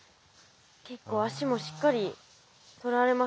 結構足もしっかりとられますね。